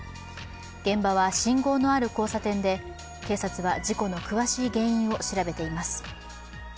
現場は信号のある交差点で警察は事故の詳しい原因を調べています。